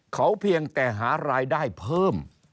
เขาเพียงแต่หารายได้เพิ่ม